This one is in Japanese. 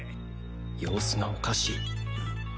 様子がおかしい